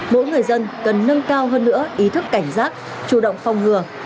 mỗi người dân cần nâng cao hơn nữa ý thức cảnh giác chủ động phòng ngừa